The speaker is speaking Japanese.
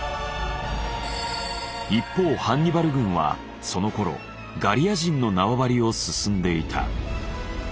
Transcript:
一方ハンニバル軍はそのころガリア人の縄張りを進んでいた。